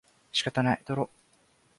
仕方ない、とろう